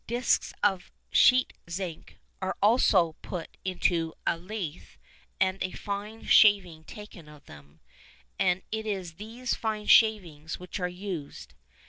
Discs of sheet zinc are put into a lathe and a fine shaving taken off them, and it is these fine shavings which are used.